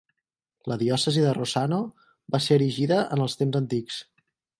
La diòcesi de Rossano va ser erigida en els temps antics.